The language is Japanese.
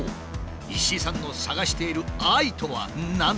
石井さんの探している愛とは何なのか？